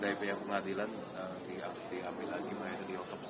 dari pihak pengadilan diambil lagi